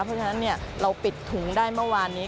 เพราะฉะนั้นเราปิดถุงได้เมื่อวานนี้